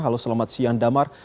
halo selamat siang damar